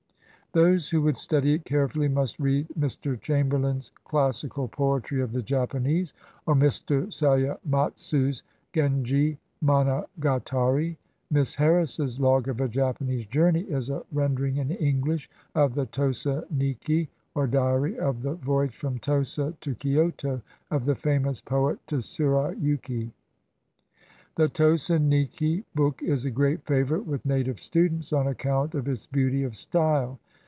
Those who would study it carefully must read Mr. Chamberlain's "Classical Poetry of the Japanese," or Mr. Suyematsu's "Genji Monogatari." Miss Harris's "Log of a Japanese Journey" is a rendering in English of the Tosa Niki, or diary of the voyage from Tosa to Kioto of the famous poet Tsurayuki. The Tosa Niki book is a great favorite with native students on account of its beauty of style.